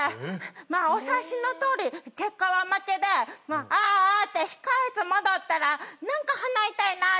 まあお察しのとおり結果は負けであーあって控室戻ったら何か鼻痛いなって。